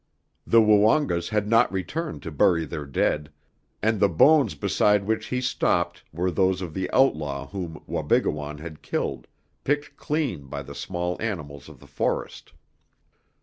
The Woongas had not returned to bury their dead, and the bones beside which he stopped were those of the outlaw whom Wabigoon had killed, picked clean by the small animals of the forest.